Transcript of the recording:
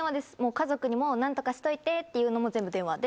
家族にも「何とかしといて」って言うのも全部電話で。